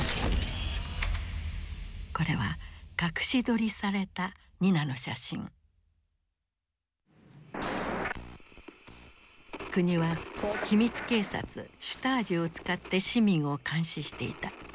これは国は秘密警察シュタージを使って市民を監視していた。